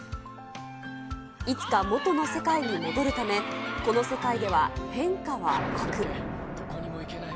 いつか元の世界に戻るため、この世界では変化は悪。